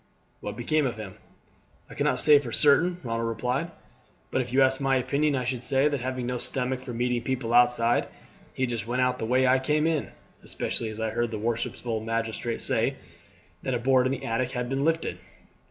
"What became of him?" "I cannot say for certain," Ronald replied; "but if you ask my opinion I should say, that having no stomach for meeting people outside, he just went out the way I came in, especially as I heard the worshipful magistrate say that a board in the attic had been lifted."